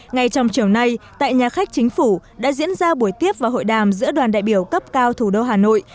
ngay trong chiều nay tại nhà khách chính phủ đã diễn ra buổi tiếp và hội đàm giữa đoàn đại biểu cấp cao thủ đô hà nội